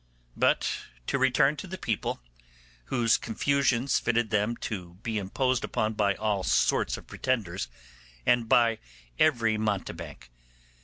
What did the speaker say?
But to return to the people, whose confusions fitted them to be imposed upon by all sorts of pretenders and by every mountebank.